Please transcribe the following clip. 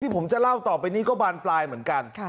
ผมจะเล่าต่อไปนี้ก็บานปลายเหมือนกัน